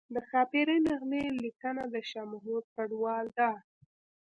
د ښاپیرۍ نغمې لیکنه د شاه محمود کډوال ده